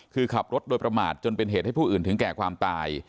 คือขับรถโดยประมาทจนเป็นเหตุให้ผู้อื่นถึงแก่ความตาย